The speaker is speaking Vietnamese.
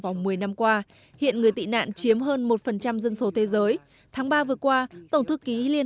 vòng một mươi năm qua hiện người tị nạn chiếm hơn một dân số thế giới tháng ba vừa qua tổng thư ký liên